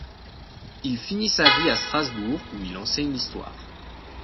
Il finit sa vie à Strasbourg où il enseigne l'histoire.